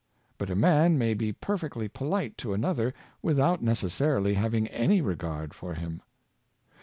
But a man may be perfectly poHte to another without necessarily having any regard for him.